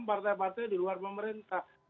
partai partai di luar pemerintah